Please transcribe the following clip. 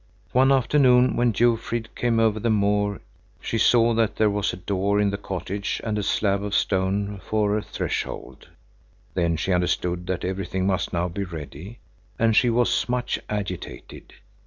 One afternoon, when Jofrid came over the moor, she saw that there was a door in the cottage and a slab of stone for a threshold. Then she understood that everything must now be ready, and she was much agitated.